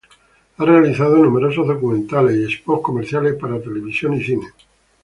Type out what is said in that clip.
Ha realizado numerosos documentales y spots comerciales para televisión y cine.